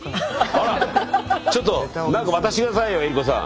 あらちょっと何か渡して下さいよ江里子さん。